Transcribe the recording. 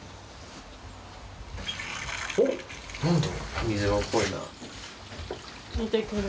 おっ・何だ？